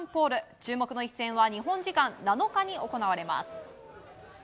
注目の一戦は日本時間７日に行われます。